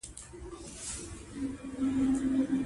د متخصصینو نظر مهم دی.